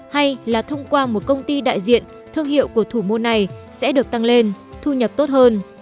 hay là thông qua một công ty đại diện thương hiệu của thủ môn này sẽ được tăng lên thu nhập tốt hơn